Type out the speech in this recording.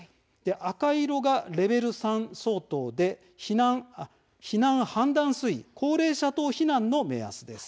赤色がレベル３相当で避難判断水位高齢者等避難の目安です。